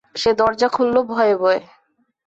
সে দরজা খুলল ভয়ে ভয়ে।